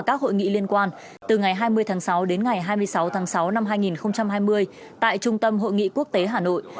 các hội nghị liên quan từ ngày hai mươi tháng sáu đến ngày hai mươi sáu tháng sáu năm hai nghìn hai mươi tại trung tâm hội nghị quốc tế hà nội